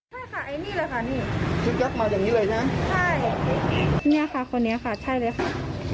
ใช่ค่ะไอ้นี่แหละค่ะนี่ชุดยกมาอย่างนี้เลยนะใช่เนี่ยค่ะคนนี้ค่ะใช่เลยค่ะ